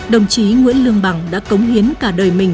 đồng chí nguyễn lương bằng đã cống hiến cả đời mình